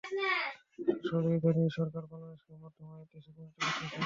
তাদের সহযোগিতা নিয়েই সরকার বাংলাদেশকে মধ্যম আয়ের দেশে পরিণত করতে চায়।